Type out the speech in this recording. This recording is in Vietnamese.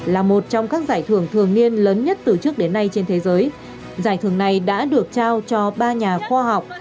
là một trong các giải thưởng thường niên lớn nhất từ trước đến nay trên thế giới giải thưởng này đã được trao cho ba nhà khoa học